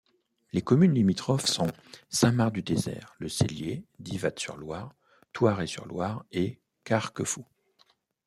Les communes limitrophes sont Saint-Mars-du-Désert, Le Cellier, Divatte-sur-Loire, Thouaré-sur-Loire et Carquefou.